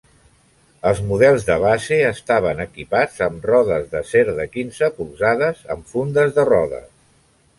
Els models de base estaven equipats amb rodes d'acer de quinze polzades amb fundes de rodes.